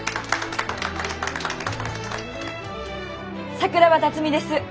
桜庭辰美です！